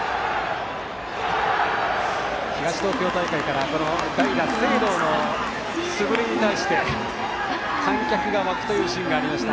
東東京大会から代打・清藤の素振りに対して観客が沸くというシーンがありました。